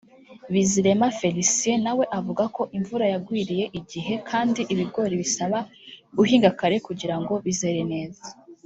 Bizirema Felicien na we avuga ko imvura yagwiriye igihe kandi ibigori bisaba guhinga kare kugira ngo bizere neza